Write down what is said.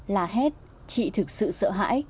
là hết chị thực sự sợ hãi